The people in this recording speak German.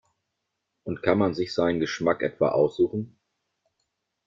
Und kann man sich seinen Geschmack etwa aussuchen?